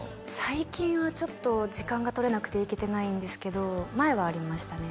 最近はちょっと時間が取れなくて行けてないんですけど前はありましたね